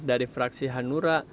dari fraksi hanura